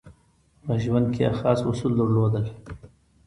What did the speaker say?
په ژوند کې یې خاص اصول درلودل.